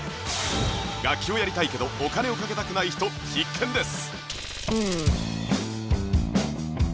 楽器をやりたいけどお金をかけたくない人必見です！